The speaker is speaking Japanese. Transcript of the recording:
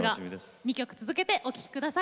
２曲続けてお聴きください。